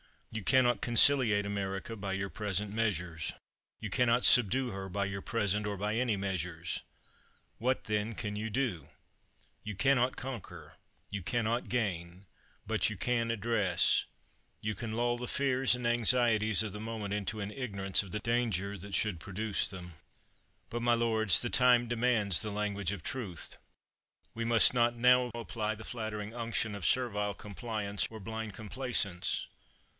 You can not conciliate America by your pres ent measures. You can not subdue her by your present or by any measures. What, then, can you do ? You can not conquer ; you can not gain ; but you can address; you can lull the fears and anxieties of the moment into an ignorance of the danger that should produce them. But, my lords, the time demands the language of truth. We must not now apply the flattering unction of servile compliance or blind complaisance.